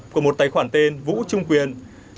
của một tài khoản tên vũ trung quyền